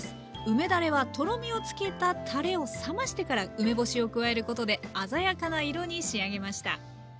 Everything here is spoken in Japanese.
梅だれはとろみをつけたたれを冷ましてから梅干しを加えることで鮮やかな色に仕上げました。